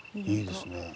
いいですね。